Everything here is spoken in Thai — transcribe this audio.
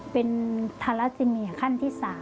เป็นทาราซิเมียขั้นที่๓